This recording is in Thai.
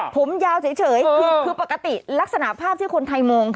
ผมยาวเฉยคือปกติลักษณะภาพที่คนไทยมอง